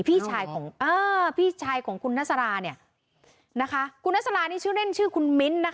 พี่ชายของเออพี่ชายของคุณนัสราเนี้ยนะคะคุณนัสรานี่ชื่อเล่นชื่อคุณมิ้นต์นะคะ